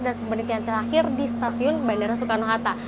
dan perhentian terakhir di stasiun bandara soekarno hatta